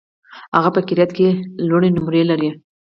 هغه په قرائت کي لوړي نمرې لري.